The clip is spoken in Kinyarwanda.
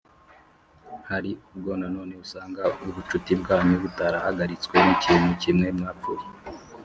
Hari ubwo nanone usanga ubucuti bwanyu butarahagaritswe n ikintu kimwe mwapfuye